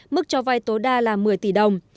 mức cho vay tối đa là một mươi tỷ đồng